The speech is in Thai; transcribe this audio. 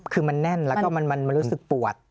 คือมันแน่นแล้วก็มันรู้สึกปวด